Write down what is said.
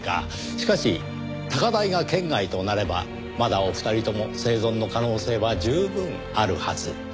しかし高台が圏外となればまだお二人とも生存の可能性は十分あるはず。